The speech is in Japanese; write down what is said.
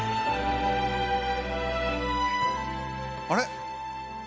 あれ？